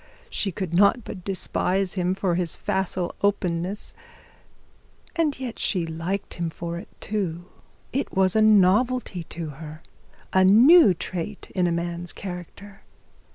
She could not but despise him for his facile openness, and yet she liked him too. It was a novelty to her, a new trait in a man's character.